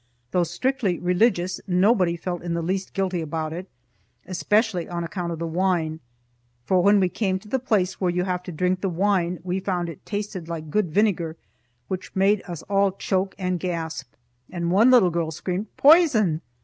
Though strictly religious, nobody felt in the least guilty about it, especially on account of the wine; for, when we came to the place where you have to drink the wine, we found it tasted like good vinegar, which made us all choke and gasp, and one little girl screamed "Poison!"